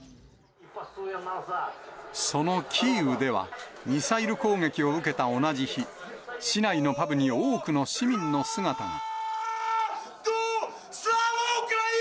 そのキーウでは、ミサイル攻撃を受けた同じ日、市内のパブに多くの市民の姿が。